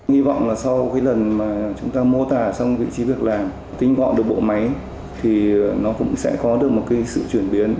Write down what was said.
hy vọng là sau cái lần mà chúng ta mô tả xong vị trí việc làm tinh gọn được bộ máy thì nó cũng sẽ có được một cái sự chuyển biến